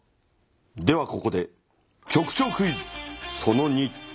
ではここで局長クイズその２。